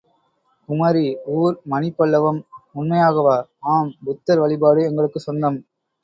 குமரி!.... ஊர்? மணிபல்லவம்? உண்மையாகவா? ஆம் புத்தர் வழிபாடு எங்களுக்குச் சொந்தம்.